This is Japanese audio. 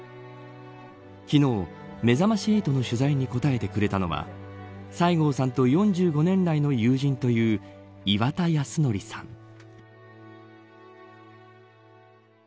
昨日、めざまし８の取材に答えてくれたのは西郷さんと４５年来の友人という岩田康則さん。